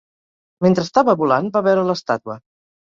Mentre estava volant, va veure l'estàtua.